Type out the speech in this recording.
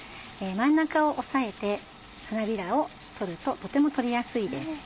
真ん中を押さえて花びらを取るととても取りやすいです。